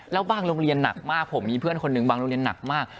แล้วบางโรงเรียนหนักมากผมมีเพื่อนคนหนึ่งบางโรงเรียนหนักมาก